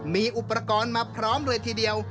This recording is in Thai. มีอุปกรณ์มาพร้อมเลยทีเดียว